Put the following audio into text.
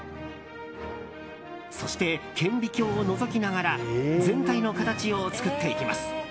そして、顕微鏡をのぞきながら全体の形を作っていきます。